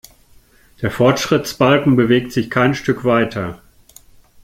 Der Fortschrittsbalken bewegt sich kein Stück weiter.